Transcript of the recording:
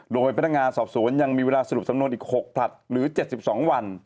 โดยพนักงานสอบสวนยังมีเวลาสรุปสำนวนอีก๖ผลัดหรือ๗๒วัน